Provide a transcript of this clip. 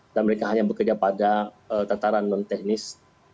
dan mereka hanya bekerja pada tataran non teknis